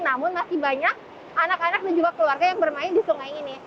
namun masih banyak anak anak dan juga keluarga yang bermain di sungai ini